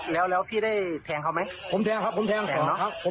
แล้วพี่ได้แทงเขาไหมผมแทงครับผมแทงแทงเนอะ